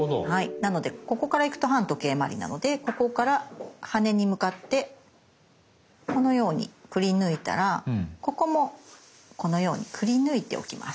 なのでここから行くと反時計まわりなのでここから羽に向かってこのようにくりぬいたらここもこのようにくりぬいておきます。